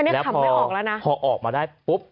แล้วพอออกมาได้ปุ๊บ